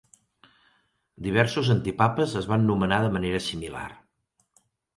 Diversos antipapes es van nomenar de manera similar.